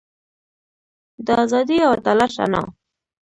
د ازادۍ او عدالت رڼا.